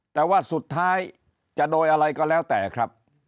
แต่ว่าสุดท้ายจะโดยอะไรก็แล้วแต่ครับ